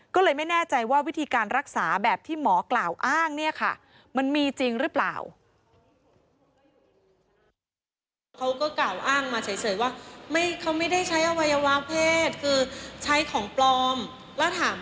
ก็เลยไม่แน่ใจว่าวิธีการรักษาแบบที่หมอกล่าวอ้างเนี่ยค่ะมันมีจริงหรือเปล่า